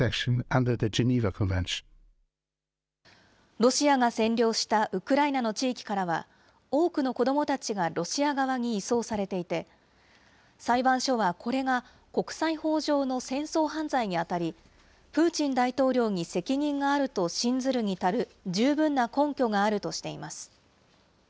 ロシアが占領したウクライナの地域からは、多くの子どもたちがロシア側に移送されていて、裁判所はこれが、国際法上の戦争犯罪に当たり、プーチン大統領に責任があると信ずるに足る十分な根拠があるとしています。